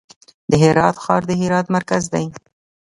د هرات ښار د هرات مرکز دی